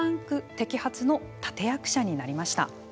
摘発の立て役者になりました。